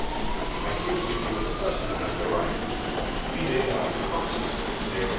I here give you a specimen of their writing [_Vide Otrckocsus de Orig.